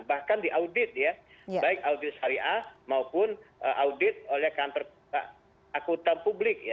bahkan diaudit ya baik audit syariah maupun audit oleh kantor akutan publik